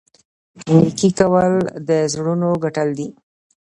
نیکي کول د زړونو ګټل دي.